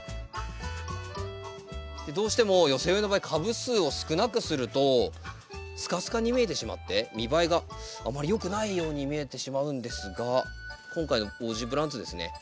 どうしても寄せ植えの場合株数を少なくするとスカスカに見えてしまって見栄えがあまりよくないように見えてしまうんですが今回のオージープランツですね